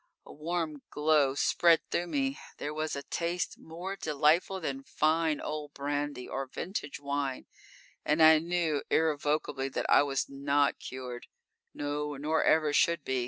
A warm glow spread through me; there was a taste more delightful than fine old brandy, or vintage wine, and I knew irrevocably that I was not cured; no, nor ever should be!